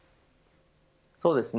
そうですね。